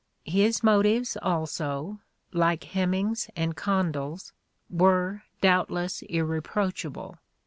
His motives also, like Heminge's and Condell's, " were doubtless irreproach able."